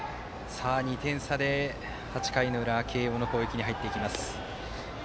２点差で８回の裏、慶応の攻撃に入っていきます。